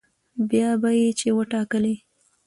بيا به يې چې وټاکلې